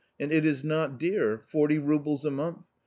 And it is not dear — forty roubles a month.